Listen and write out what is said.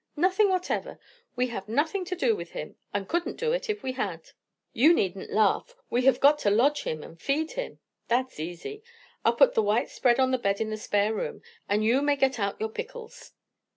Nothing whatever. We have nothing to do with him, and couldn't do it if we had." "You needn't laugh. We have got to lodge him and feed him." "That's easy. I'll put the white spread on the bed in the spare room; and you may get out your pickles."